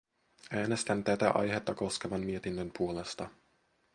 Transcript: Äänestän tätä aihetta koskevan mietinnön puolesta.